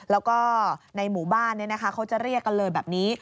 แล้วก็ในหมู่บ้านเขาจะเรียกกันเลยแบบนี้